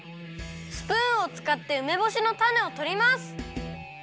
スプーンをつかってうめぼしのたねをとります！